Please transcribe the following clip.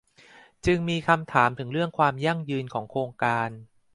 จึงมีคำถามถึงเรื่องความยั่งยืนของโครงการ